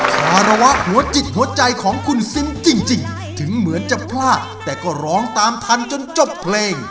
ภาวะหัวจิตหัวใจของคุณซิมจริงถึงเหมือนจะพลาดแต่ก็ร้องตามทันจนจบเพลง